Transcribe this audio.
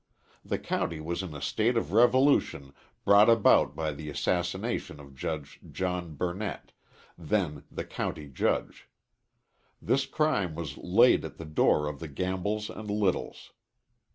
The county was in a state of revolution brought about by the assassination of Judge John Burnett, then the county judge. This crime was laid at the door of the Gambles and Littles.